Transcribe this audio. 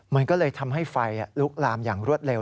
มันก็เลยทำให้ไฟลุกลามอย่างรวดเร็ว